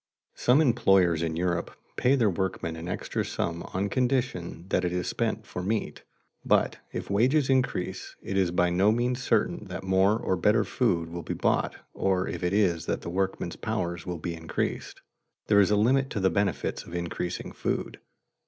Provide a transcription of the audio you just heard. Some employers in Europe pay their workmen an extra sum on condition that it is spent for meat. But if wages increase, it is by no means certain that more or better food will be bought or if it is that the workmen's powers will be increased. There is a limit to the benefits of increasing food.